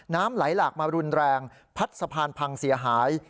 น้ำไหลหลากมารุนแรงพัดสะพานพังเสียหาย